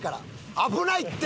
危ないって！